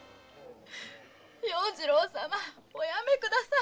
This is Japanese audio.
要次郎様おやめください！